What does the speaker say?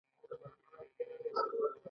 دوی به هلته په تدریجي ډول مړه کېدل.